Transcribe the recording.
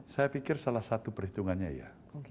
saya pikir salah satu perhitungannya ya